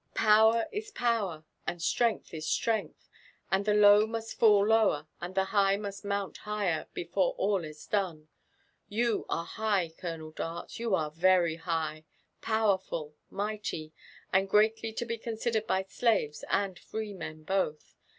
Power is power, and strength is strength ; and the low mutt fall lower, and the high must mount higher, before til is dose. Ymi are high, €olonel Dart— < you are very high, powerful, mi^ty, and greatly to be considered by slaves and freemen both.